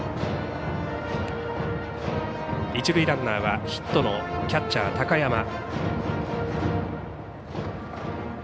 一塁ランナーはヒットのキャッチャー高山。